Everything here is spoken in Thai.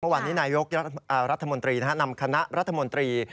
เมื่อวานนี้นายกรัฐมนตรีนำคณะรัฐมนตรี